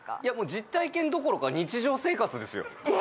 実体験どころか日常生活ですよ。